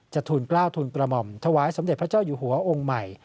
ทุนกล้าวทุนกระหม่อมถวายสมเด็จพระเจ้าอยู่หัวองค์ใหม่